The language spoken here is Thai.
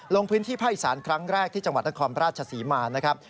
ลงพื้นที่ภาคอีสานครั้งแรกที่จังหวัดนครราชศรีมานะครับ